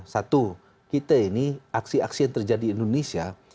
satu kita ini aksi aksi yang terjadi di indonesia